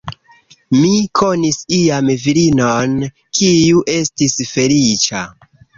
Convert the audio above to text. Mi konis iam virinon, kiu estis feliĉa.